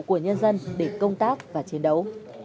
của nhân dân để công tác và chiến đấu